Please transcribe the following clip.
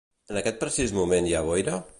En aquest precís moment hi ha boira?